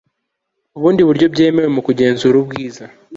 ubundi buryo byemewe mu kugenzura ubwiza